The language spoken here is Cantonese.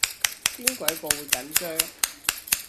邊鬼個會緊張